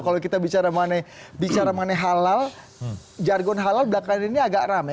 kalau kita bicara mengenai halal jargon halal belakangan ini agak rame